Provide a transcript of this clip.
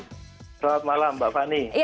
selamat malam mbak fani